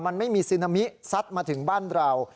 มันไม่มีซึนามิซัดมาถึงบ้านเรา